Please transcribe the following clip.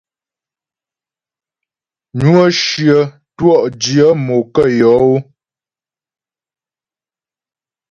Nwə́ shyə twɔ'dyə̂ mo kə yɔ́ ó.